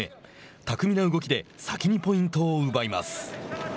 巧みな動きで先にポイントを奪います。